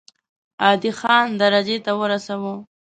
عادي خان درجې ته ورساوه.